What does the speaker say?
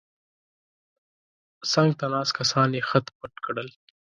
څنګ ته ناست کسان یې خت پت کړل.